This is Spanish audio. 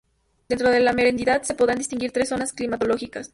Dentro de la merindad se podrían distinguir tres zonas climatológicas.